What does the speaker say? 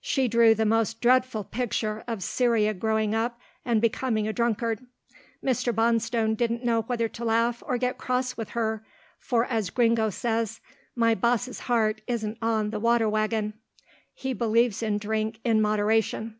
She drew the most dreadful picture of Cyria growing up and becoming a drunkard. Mr. Bonstone didn't know whether to laugh or get cross with her, for as Gringo says, "My boss's heart isn't on the water waggon." He believes in drink in moderation.